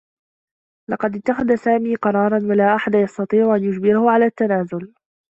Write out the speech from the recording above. لقد اتّخذ سامي قرارا و لا أحد يستطيع أن يجبره على التّنازل.